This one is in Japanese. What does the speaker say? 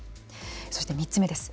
そして、３つ目です。